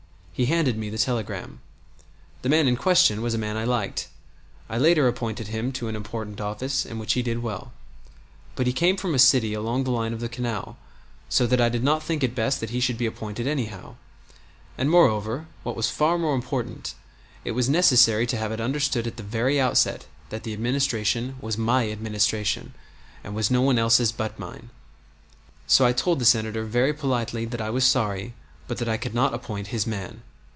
He handed me the telegram. The man in question was a man I liked; later I appointed him to an important office in which he did well. But he came from a city along the line of the canal, so that I did not think it best that he should be appointed anyhow; and, moreover, what was far more important, it was necessary to have it understood at the very outset that the Administration was my Administration and was no one else's but mine. So I told the Senator very politely that I was sorry, but that I could not appoint his man.